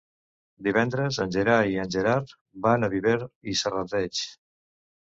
Divendres en Gerai i en Gerard van a Viver i Serrateix.